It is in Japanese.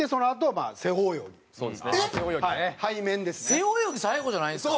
背泳ぎ最後じゃないんですか？